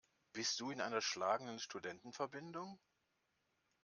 Bist du in einer schlagenden Studentenverbindung?